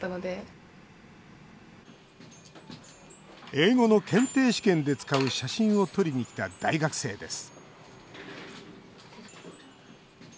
英語の検定試験で使う写真を撮りに来た大学生です。